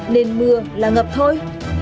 nên mưa là ngập thôi